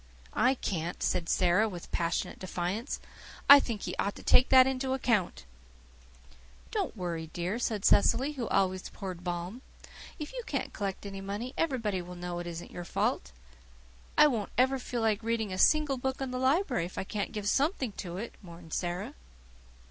"I can't," said Sara, with passionate defiance. "I think He ought to take that into account." "Don't worry, dear," said Cecily, who always poured balm. "If you can't collect any money everybody will know it isn't your fault." "I won't ever feel like reading a single book in the library if I can't give something to it," mourned Sara.